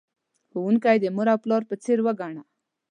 ښوونکی د مور او پلار په څیر وگڼه.